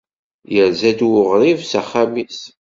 Yerza-d uɣrib s axxam-is.